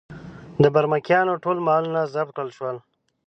د برمکیانو ټول مالونه ضبط کړل شول.